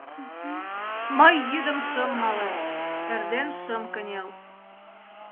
Мый йӱдым шым мале, эрден шым кынел.